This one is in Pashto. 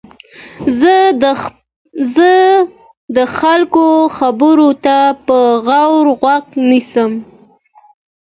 زه د خلکو خبرو ته په غور غوږ نیسم.